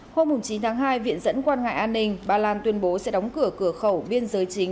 hôm chín tháng hai viện dẫn quan ngại an ninh ba lan tuyên bố sẽ đóng cửa cửa khẩu biên giới chính